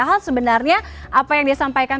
hal sebenarnya apa yang disampaikan